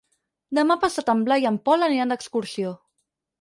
Demà passat en Blai i en Pol aniran d'excursió.